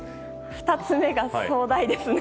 ２つめが壮大ですね。